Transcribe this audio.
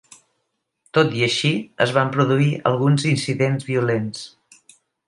Tot i així, es van produir alguns incidents violents.